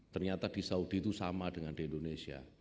ternyata di saudi itu sama dengan di indonesia